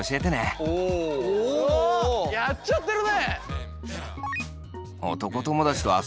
あやっちゃってるね。